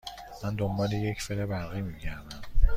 من دنبال یک فر برقی می گردم.